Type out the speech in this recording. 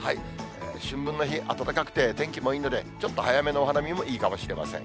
春分の日、暖かくて天気もいいので、ちょっと早めのお花見もいいかもしれません。